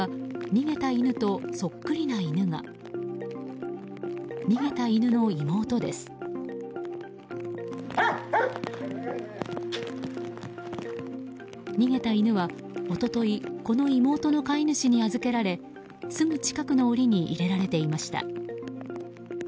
逃げた犬は、一昨日この妹の飼い主に預けられすぐ近くの檻に入れられていました。